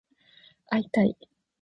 会いたい